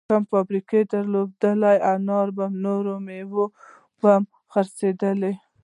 که مو فابریکې درلودی، انار او نورې مېوې به مو نه خرابېدې!